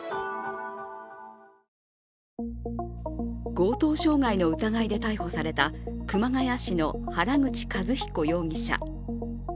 強盗傷害の疑いで逮捕された熊谷市の原口一彦容疑者。